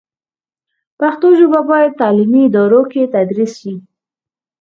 پښتو ژبه باید په تعلیمي ادارو کې تدریس شي.